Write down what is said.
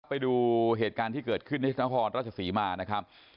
ไปดูเหตุการณ์ที่เกิดขึ้นที่นครราชศรีมานะครับ